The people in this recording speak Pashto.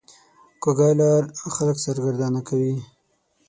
کوږه لار خلک سرګردانه کوي